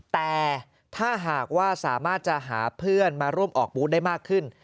แต่ถ้าหากว่าสามารถจะหาเพื่อนมาร่วมออกบูธได้มากขึ้น